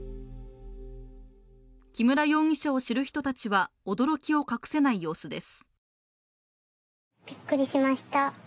木村容疑者を知る人たちは驚きを隠せない様子です。